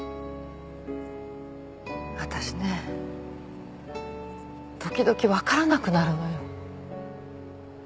私ね時々わからなくなるのよ。